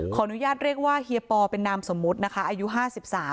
ขออนุญาตเรียกว่าเฮียปอเป็นนามสมมุตินะคะอายุห้าสิบสาม